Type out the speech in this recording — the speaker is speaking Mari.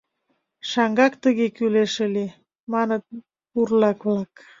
— Шаҥгак тыге кӱлеш ыле, — маныт бурлак-влак.